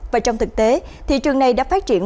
và trong thực tế thị trường này đã phát triển